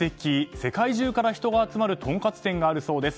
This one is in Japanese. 世界中から人が集まるとんかつ店があるそうです。